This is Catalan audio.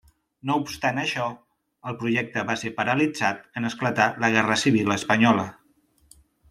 No obstant això, el projecte va ser paralitzat en esclatar la Guerra Civil espanyola.